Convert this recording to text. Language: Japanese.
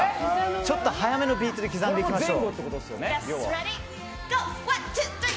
ちょっと速めのビートで刻んでいきましょう。